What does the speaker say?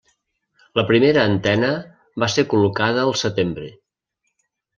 La primera antena va ser col·locada al setembre.